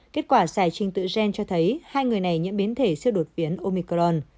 kết quả xài trình tự gen cho thấy hai người này nhận biến thể siêu đột biến omicron